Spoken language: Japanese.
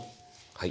はい。